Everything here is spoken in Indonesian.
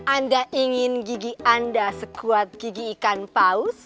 anda ingin gigi anda sekuat gigi ikan paus